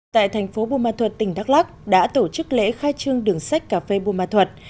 tại thành phố buôn ma thuật tỉnh đắk lắc đã tổ chức lễ khai trương đường sách cà phê buôn ma thuật